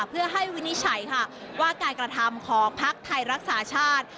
เพื่อให้วินิจฉัยค่ะว่าการกระทำของภักดิ์ไทยรักษาชาติ